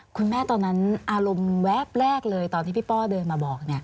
คุณแม่ตอนนั้นอารมณ์แวบแรกเลยตอนที่พี่ป้อเดินมาบอก